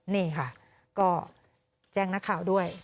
นี่ค่ะก็แจ้งนักข่าวด้วย